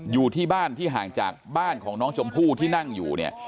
อยู่ที่บ้านที่ห่างจากบ้านของน้องชมพู่ที่นั่งอยู่เนี่ย